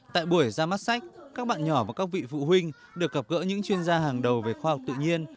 tại buổi ra mắt sách các bạn nhỏ và các vị phụ huynh được gặp gỡ những chuyên gia hàng đầu về khoa học tự nhiên